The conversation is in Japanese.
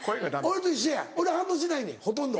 俺と一緒や俺反応しないねんほとんど。